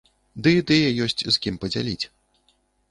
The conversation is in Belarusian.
Ды і тыя ёсць з кім падзяліць.